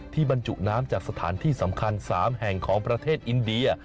บรรจุน้ำจากสถานที่สำคัญ๓แห่งของประเทศอินเดีย